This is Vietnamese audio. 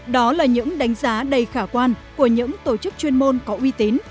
đó là những đánh giá đầy khả quan của những tổ chức chuyên môn có uy tín